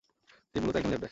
তিনি মূলত একজন লেফট ব্যাক।